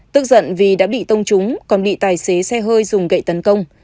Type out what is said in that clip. tức giận vì đã bị tông trúng còn bị tài xế xe hơi dùng gậy tấn công